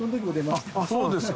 そうですか。